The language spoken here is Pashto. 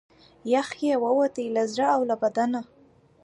یخ یې ووتی له زړه او له بدنه